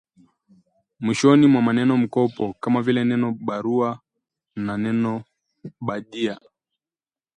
mwishoni mwa maneno mkopo kama vile neno ‘baruwa’ na neno ‘bajiya’